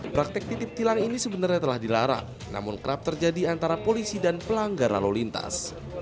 praktek titip tilang ini sebenarnya telah dilarang namun kerap terjadi antara polisi dan pelanggar lalu lintas